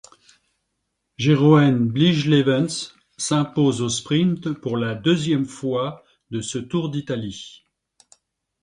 Jeroen Blijlevens s'impose au sprint pour la deuxième fois de ce Tour d'Italie.